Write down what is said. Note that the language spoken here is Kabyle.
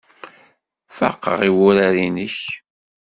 Faqeɣ i wurar-nnek.